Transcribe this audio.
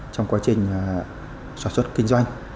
trong quá trình soạn xuất kinh doanh